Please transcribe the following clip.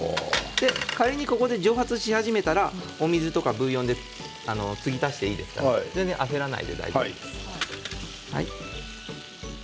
仮に蒸発し始めたらお水とかブイヨンで継ぎ足していいですから全然、焦らなくて大丈夫です。